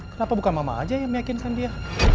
kenapa bukan mama aja yang meyakinkan dia